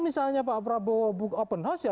misalnya pak prabowo book open house ya